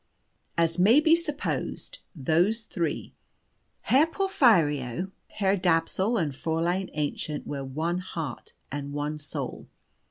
As may be supposed, those three, Herr Porphyrio, Herr Dapsul and Fräulein Aennchen, were one heart and one soul.